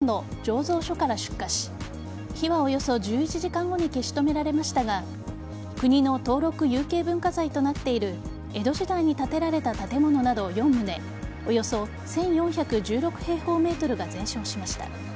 午前０時すぎ桜川市真壁町にあるしょうゆや味噌の醸造所から出火し火はおよそ１１時間後に消し止められましたが国の登録有形文化財となっている江戸時代に建てられた建物など４棟、およそ１４１６平方ｍが全焼しました。